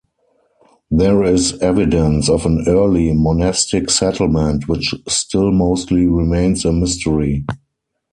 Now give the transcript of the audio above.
There is evidence of an early monastic settlement which still mostly remains a mystery.